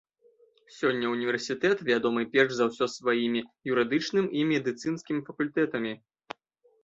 Сёння універсітэт вядомы перш за ўсё сваімі юрыдычным і медыцынскім факультэтамі.